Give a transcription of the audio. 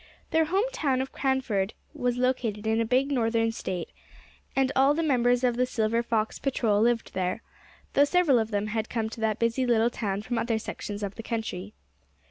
Their home town of Cranford was located in a big Northern State, and all the members of the Silver Fox Patrol lived there; though several of them had come to that busy little town from other sections of the country.